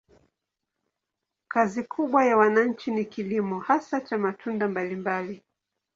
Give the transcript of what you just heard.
Kazi kubwa ya wananchi ni kilimo, hasa cha matunda mbalimbali.